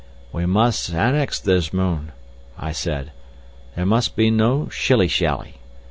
"We must annex this moon," I said. "There must be no shilly shally.